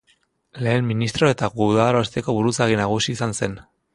Lehen ministro eta gudarosteko buruzagi nagusi izan zen.